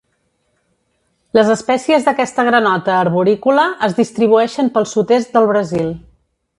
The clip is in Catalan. Les espècies d'aquesta granota arborícola es distribueixen pel sud-est del Brasil.